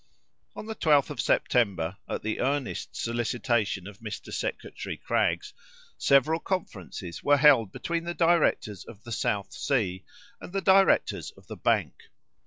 On the 12th of September, at the earnest solicitation of Mr. Secretary Craggs, several conferences were held between the directors of the South Sea and the directors of the Bank.